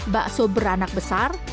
bakso beranak besar